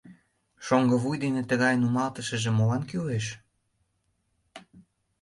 Шоҥго вуй дене тыгай нумалтышыже молан кӱлеш?